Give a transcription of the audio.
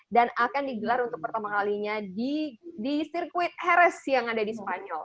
dan akan digelar untuk pertama kalinya di sirkuit heres yang ada di spanyol